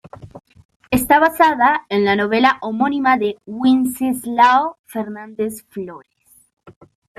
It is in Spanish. Está basada en la novela homónima de Wenceslao Fernández Flórez.